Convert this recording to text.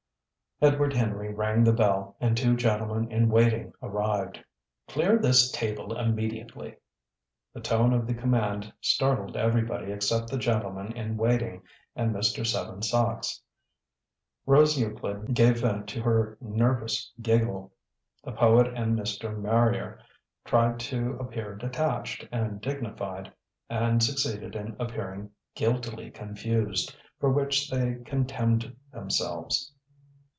Edward Henry rang the bell, and two gentlemen in waiting arrived. "Clear this table immediately!" The tone of the command startled everybody except the gentlemen in waiting and Mr. Seven Sachs. Rose Euclid gave vent to her nervous giggle. The poet and Mr. Marrier tried to appear detached and dignified, and succeeded in appearing guiltily confused for which they contemned themselves.